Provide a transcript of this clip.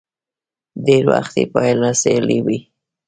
ډېری وخت يې پايله سیالي وي.